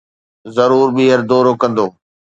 ضرور ٻيهر دورو ڪندو